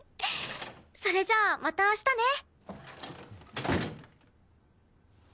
それじゃあまた明日ね！